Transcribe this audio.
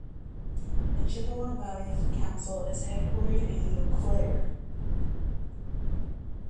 The Chippewa Valley Council is headquartered in Eau Claire.